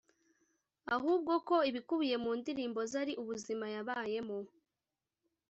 ahubwo ko ibikubiye mu ndirimbo ze ari ubuzima yabayemo